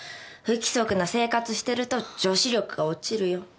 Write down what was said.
不規則な生活してると女子力が落ちるよ。